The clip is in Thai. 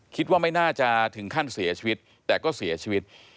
คิดว่าไม่น่าจะถึงขั้นเสียชีวิตแต่ก็เสียชีวิต